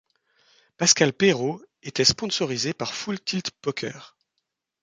Pascal Perrault était sponsorisé par Full Tilt Poker.